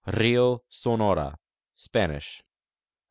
Rio Sonora : Spanish.